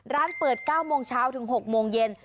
ร้านเปิด๙โมงเช้าถึง๖โมงเย็น